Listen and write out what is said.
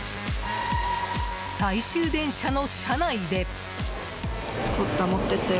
最終電車の車内で。